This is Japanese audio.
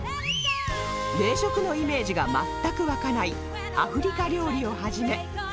冷食のイメージが全く湧かないアフリカ料理を始め